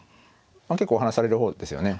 結構お話しされる方ですよね。